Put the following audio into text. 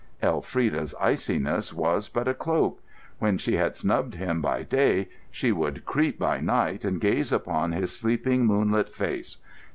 Elfrida's iciness was but a cloak. When she had snubbed him by day, she would creep in by night and gaze upon his sleeping, moonlit face!